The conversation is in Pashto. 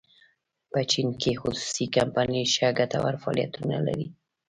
په چین کې خصوصي کمپنۍ ښه ګټور فعالیتونه لري.